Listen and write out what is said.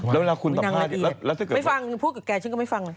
แล้วเวลาคุณสัมภาษณ์ไม่ฟังพูดกับแกฉันก็ไม่ฟัง